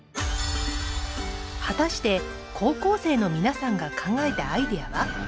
果たして高校生の皆さんが考えたアイデアは？